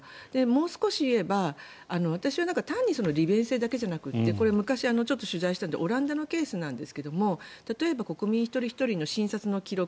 もう少し言えば私は単に利便性だけじゃなくて昔、取材してオランダのケースですが国民一人ひとりの診察の記録